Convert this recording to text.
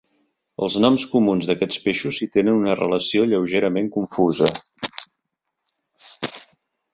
Els noms comuns d'aquests peixos hi tenen una relació lleugerament confusa.